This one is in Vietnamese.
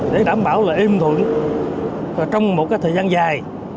để đảm bảo là êm thuận trong một thời gian dài